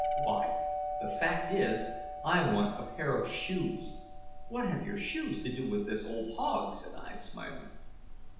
"Why, the fact is, I want a pair of shoes." "What have your shoes to do with the old hog?" said I, smiling.